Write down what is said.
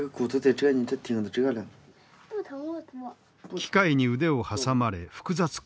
機械に腕を挟まれ複雑骨折。